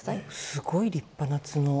すごい立派な角。